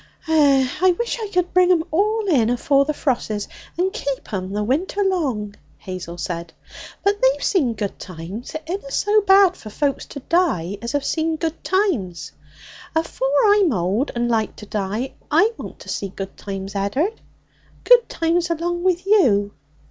'Eh! I wish I could bring 'em all in afore the frosses, and keep 'em the winter long,' Hazel said. 'But they've seen good times. It inna so bad for folks to die as have seen good times. Afore I'm old and like to die, I want to see good times, Ed'ard good times along with you.'